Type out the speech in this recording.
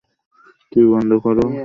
TV বন্ধ কর!